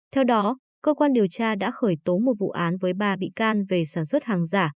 theo đó cơ quan điều tra đã khởi tố một vụ án với ba bị can về sản xuất hàng giả